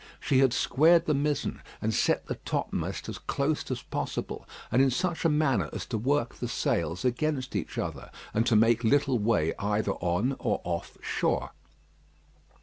She had squared the mizen, and set the topmast as close as possible, and in such a manner as to work the sails against each other, and to make little way either on or off shore.